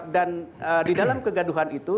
dan di dalam kegaduhan itu